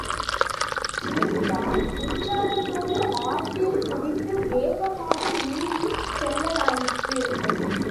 ஜின்கா உற்சாகத்தோடு ஆற்றில் குதித்து வேகமாக நீந்திச் செல்லலாயிற்று.